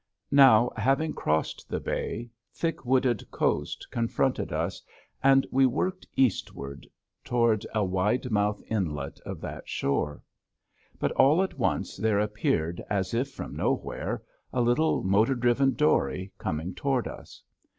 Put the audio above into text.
Now having crossed the bay thick wooded coast confronted us, and we worked eastward toward a wide mouthed inlet of that shore. But all at once there appeared as if from nowhere a little, motor driven dory coming toward us.